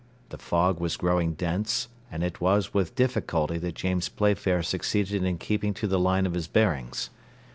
The fog was growing dense, and it was with difficulty that James Playfair succeeded in keeping to the line of his bearings.